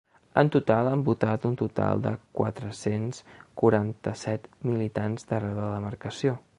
En total, han votat un total de quatre-cents quaranta-set militants d’arreu de la demarcació.